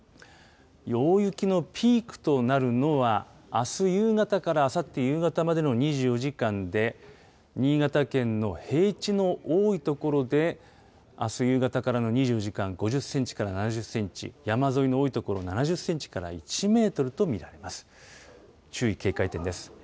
大雪のピークとなるのは、あす夕方からあさって夕方までの２４時間で、新潟県の平地の多い所で、あす夕方からの２４時間、５０センチから７０センチ、山沿いの多い所、７０センチから１メートルと見られます。